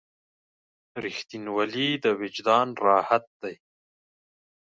• رښتینولی د وجدان راحت دی.